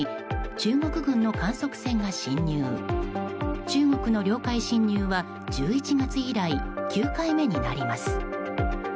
中国の領海侵入は１１月以来、９回目になります。